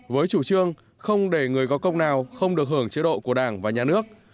với chủ trương không để người có công nào không được hưởng chế độ của đảng và nhà nước